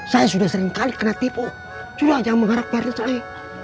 saya sudah seringkali kena tipu culah jangan mengharap partai saya